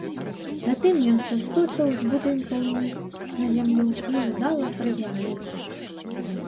Затым ён саскочыў з будынка ўніз на зямлю і ўдала прызямліўся.